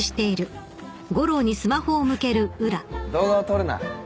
動画を撮るな。